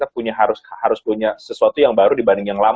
harus punya sesuatu yang baru dibanding yang lain